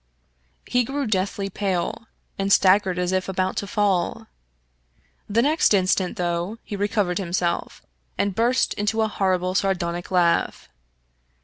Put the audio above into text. He grew deathly pale, and staggered as if about to fall. The next instant, though, he recovered himself, and burst into a horrible sardonic laugh.